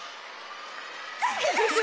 ウフフフ。